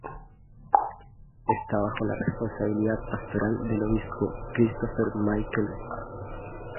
Esta bajo la responsabilidad pastoral del obispo Christopher Michael Cardone.